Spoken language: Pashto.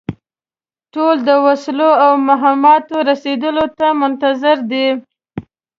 ټول د وسلو او مهماتو رسېدلو ته منتظر دي.